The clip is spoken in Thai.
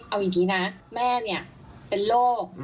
เอาอย่างนี้นะแม่เนี่ยเป็นโรค